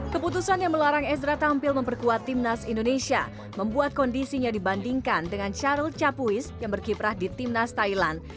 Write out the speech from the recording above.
keputusan yang melarang ezra tampil memperkuat timnas indonesia membuat kondisinya dibandingkan dengan syaril capuis yang berkiprah di timnas thailand